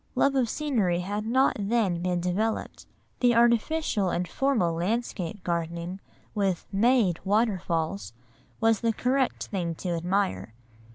Love of scenery had not then been developed. The artificial and formal landscape gardening, with "made" waterfalls, was the correct thing to admire.